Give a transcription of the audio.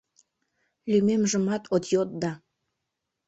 — Лӱмемжымат от йод да...